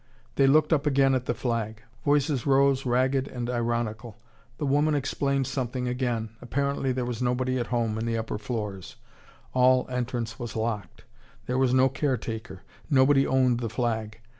They looked up again at the flag. Voices rose ragged and ironical. The woman explained something again. Apparently there was nobody at home in the upper floors all entrance was locked there was no caretaker. Nobody owned the flag.